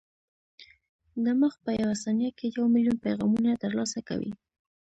دماغ په یوه ثانیه کې یو ملیون پیغامونه ترلاسه کوي.